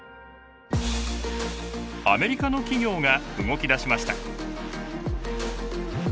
アメリカの企業が動き出しました。